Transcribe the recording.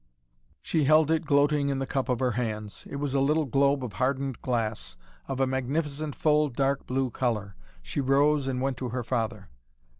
She held it gloating in the cup of her hands. It was a little globe of hardened glass, of a magnificent full dark blue color. She rose and went to her father.